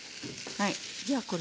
はい。